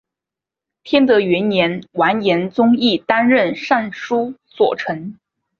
天德元年完颜宗义担任尚书左丞。